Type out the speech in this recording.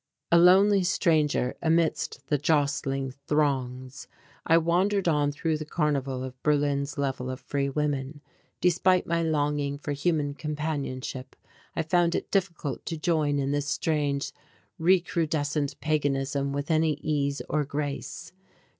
A lonely stranger amidst the jostling throngs, I wandered on through the carnival of Berlin's Level of Free Women. Despite my longing for human companionship I found it difficult to join in this strange recrudescent paganism with any ease or grace.